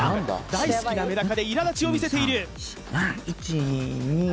大好きなメダカでいらだちを見せている１２